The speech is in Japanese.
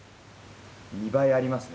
２倍ありますね。